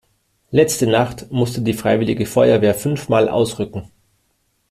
Letzte Nacht musste die freiwillige Feuerwehr fünfmal ausrücken.